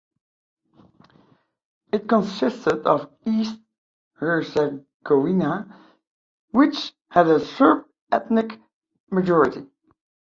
It consisted of East Herzegovina which had a Serb ethnic majority.